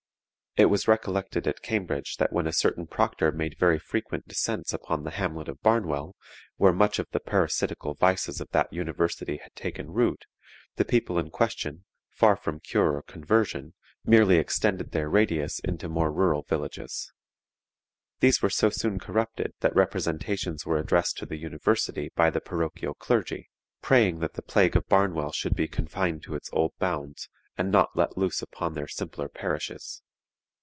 It was recollected at Cambridge that when a certain proctor made very frequent descents upon the hamlet of Barnwall, where much of the parasitical vices of that University had taken root, the people in question, far from cure or conversion, merely extended their radius into more rural villages. These were so soon corrupted that representations were addressed to the University by the parochial clergy, praying that the plague of Barnwall should be confined to its old bounds, and not let loose upon their simpler parishes.